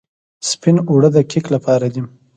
سپین اوړه د کیک لپاره دي.